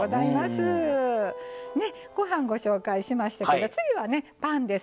ご飯、ご紹介しましたけど次は、パンです。